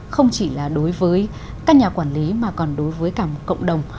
không chỉ là đối với các nhà quản lý mà còn đối với cả một cộng đồng